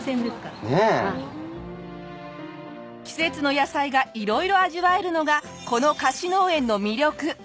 季節の野菜が色々味わえるのがこの貸し農園の魅力。